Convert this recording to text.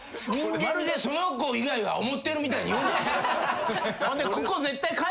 まるでその子以外は思ってるみたいに言うな。